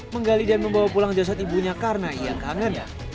menggali dan membawa pulang jasad ibunya karena ia kangen